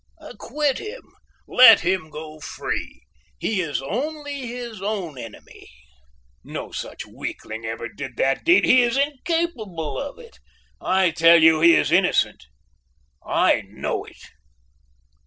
"Acquit him! Let him go free! He is only his own enemy! No such weakling ever did that deed! He is incapable of it! I tell you he is innocent! I know it!"